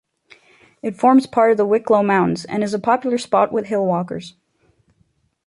It forms part of the Wicklow Mountains and is a popular spot with hillwalkers.